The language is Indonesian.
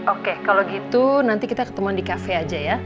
oke kalau gitu nanti kita ketemu di cafe aja ya